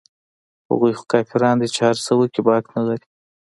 هغوى خو کافران دي چې هرڅه وکړي باک نه لري.